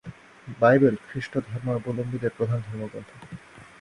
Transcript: Bible খ্রিস্ট ধর্মাবলম্বীদের প্রধান ধর্মগ্রন্থ।